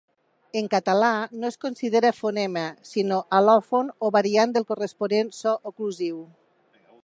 En català no es considera fonema, sinó al·lòfon o variant del corresponent so oclusiu.